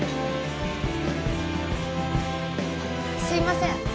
すいません。